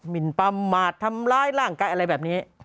หินประมาททำร้ายร่างกายอะไรแบบนี้